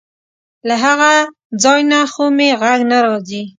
له هغه ځای نه خو مې غږ نه راځي.